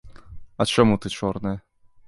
А чаму ты чорная?